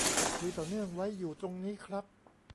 คุยต่อเนื่องไว้อยู่ตรงนี้ครับ